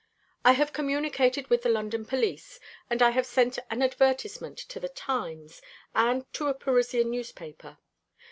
I have communicated with the London police; and I have sent an advertisement to the Times, and to a Parisian newspaper.